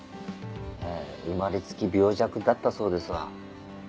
ええ生まれつき病弱だったそうですわ。